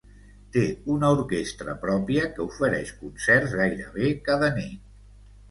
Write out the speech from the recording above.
Té una orquestra pròpia que ofereix concerts gairebé cada nit.